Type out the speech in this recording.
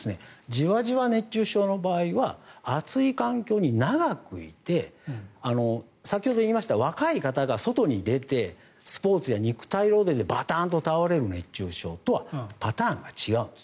じわじわ熱中症の場合は暑い環境に長くいて先ほど言いました若い方が外に出てスポーツや肉体労働でバタンと倒れる熱中症とはパターンが違うんです。